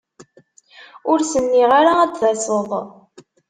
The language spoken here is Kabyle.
Ur s-nniɣ ara ad d-taseḍ.